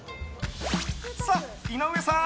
さあ、井上さん